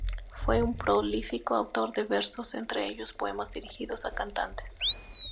Fue un prolífico autor de versos, entre ellos poemas dirigidos a cantantes.